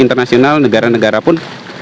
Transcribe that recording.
internasional negara negara pun